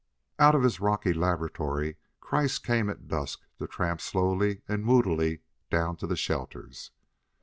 Out of his rocky "laboratory" Kreiss came at dusk to tramp slowly and moodily down to the shelters.